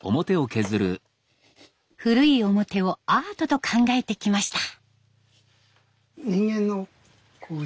古い面をアートと考えてきました。